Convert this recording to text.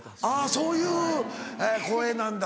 そういう声なんだ